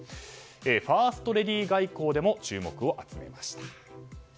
ファーストレディー外交でも注目を集めました。